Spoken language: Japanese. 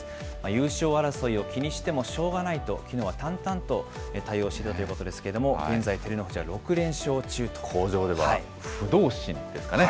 優勝争いを気にしてもしょうがないと、きのうは淡々と対応しようということですけれども、現在、口上では、不動心ですかね。